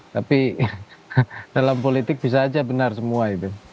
tapi dalam politik bisa aja benar semua itu